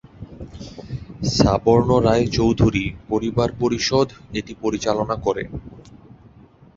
সাবর্ণ রায় চৌধুরী পরিবার পরিষদ এটি পরিচালনা করে।